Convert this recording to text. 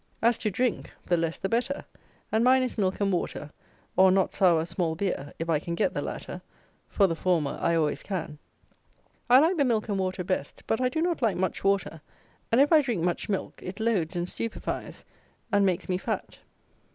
As to drink, the less the better; and mine is milk and water, or not sour small beer, if I can get the latter; for the former I always can. I like the milk and water best; but I do not like much water; and, if I drink much milk, it loads and stupefies and makes me fat.